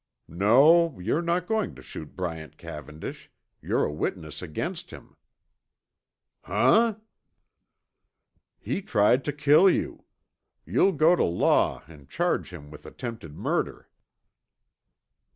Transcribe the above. "No, you're not going to shoot Bryant Cavendish; you're a witness against him." "Huh?" "He tried to kill you. You'll go to law and charge him with attempted murder."